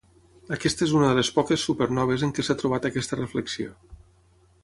Aquesta és una de les poques supernoves en què s'ha trobat aquesta reflexió.